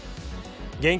現金